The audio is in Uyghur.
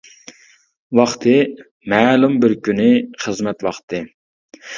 ۋاقتى: مەلۇم بىر كۈنى خىزمەت ۋاقتى.